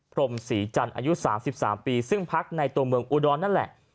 พรมศรีจันทร์อายุ๓๓ปีซึ่งพักในตัวเมืองอุดรนั่นแหละ